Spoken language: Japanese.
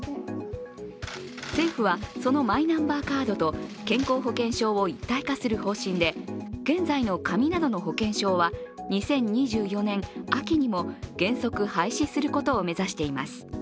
政府は、そのマイナンバーカードと健康保険証を一体化する方針で、現在の紙などの保険証は２０２４年秋にも原則、廃止することを目指しています。